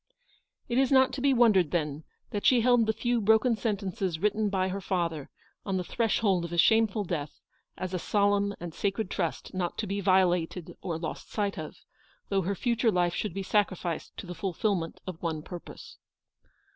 It is not to be wondered, then, that she held the few broken sentences written by her father, on the threshold of a shameful death, as a solemn and sacred trust not to be violated or lost sight of, though her future life should be sacrificed to the fulfilment of one purpose.